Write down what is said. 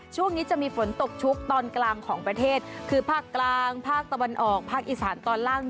ช่วงนี้จะมีฝนตกชุกตอนกลางของประเทศคือภาคกลางภาคตะวันออกภาคอีสานตอนล่าง